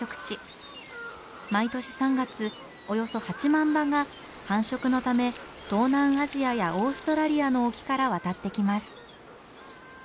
毎年３月およそ８万羽が繁殖のため東南アジアやオーストラリアの沖から渡ってきます。